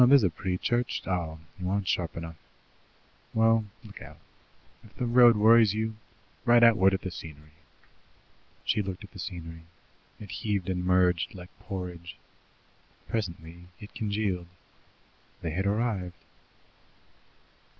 There's a pretty church oh, you aren't sharp enough. Well, look out, if the road worries you right outward at the scenery. " She looked at the scenery. It heaved and merged like porridge. Presently it congealed. They had arrived.